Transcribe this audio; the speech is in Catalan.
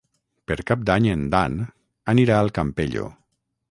Per Cap d'Any en Dan anirà al Campello.